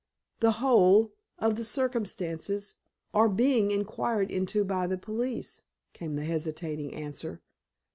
"The whole—of the circumstances—are being inquired into by the police," came the hesitating answer.